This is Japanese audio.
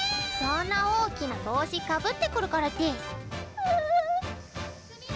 そんな大きな帽子かぶってくるからデス！